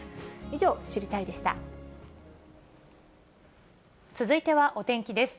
以上、続いてはお天気です。